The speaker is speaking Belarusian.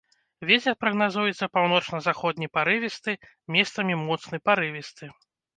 Вецер прагназуецца паўночна-заходні парывісты, месцамі моцны парывісты.